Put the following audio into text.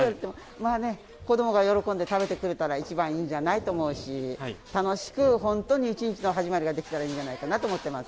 まあね、子どもが喜んで食べてくれたらいちばんいいんじゃないと思うし、楽しく本当に１日の始まりができたらいいんじゃないかなと思っています。